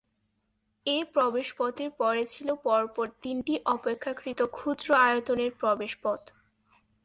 এ প্রবেশপথের পরে ছিল পরপর তিনটি অপেক্ষাকৃত ক্ষুদ্র আয়তনের প্রবেশপথ।